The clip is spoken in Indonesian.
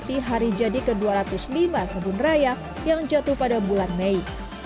dan mengikuti hari jadi ke dua ratus lima kebun raya yang jatuh pada bulan mei